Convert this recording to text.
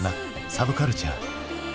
サブカルチャー。